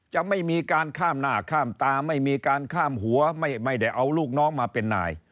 จะไม่มีการข้ามหน้าข้ามตาไม่มีการข้ามหัวไม่ได้เอาลูกน้องมาเป็นนาย